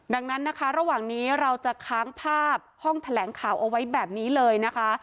ดังนั้นนะคะระหว่างนี้เราจะค้างภาพห้องแถลงข่าวเอาไว้แบบนี้เลยนะคะ